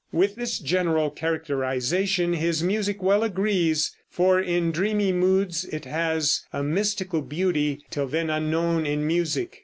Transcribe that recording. With this general characterization his music well agrees, for in dreamy moods it has a mystical beauty till then unknown in music.